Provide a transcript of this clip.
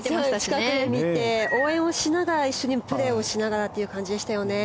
近くで見て応援しながら一緒にプレーしながらという感じでしたよね。